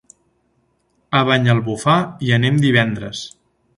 A Banyalbufar hi anem divendres.